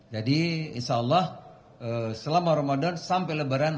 jadi insya allah selama ramadan sampai lebaran